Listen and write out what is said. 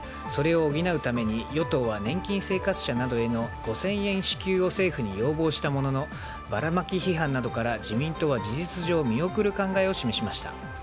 それを補うために与党は年金生活者などへの５０００円支給を政府に要望したもののばらまき批判などから自民党は事実上見送る考えを示しました。